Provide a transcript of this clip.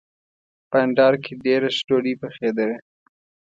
بانډار کې ډېره ښه ډوډۍ پخېدله.